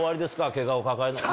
ケガを抱えての。